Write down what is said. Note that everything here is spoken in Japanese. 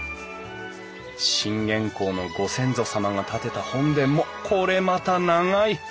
信玄公のご先祖様が建てた本殿もこれまた長い。